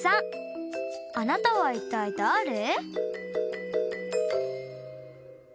あなたはいったいだれ？